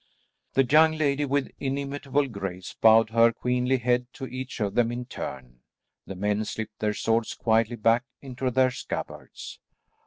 The young lady with inimitable grace bowed her queenly head to each of them in turn. The men slipped their swords quietly back into their scabbards.